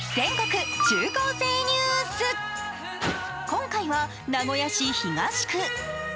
今回は名古屋市東区。